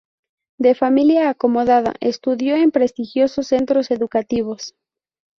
De familia acomodada estudió en prestigiosos centros educativos.